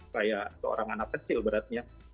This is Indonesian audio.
kayak seorang anak kecil beratnya